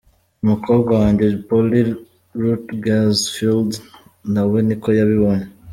Umukobwa wanjye Polly Ruettgers Fields nawe niko yabibonye.